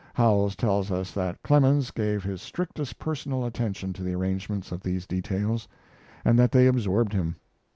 Howells tells us that Clemens gave his strictest personal attention to the arrangement of these details, and that they absorbed him.